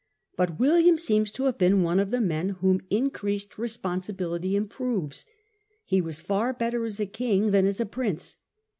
But William seems to have been one of the men whom increased responsibility improves. He was far better as a king than as a prince.